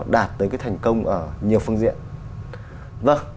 đạt tới thành công ở nhiều phương diện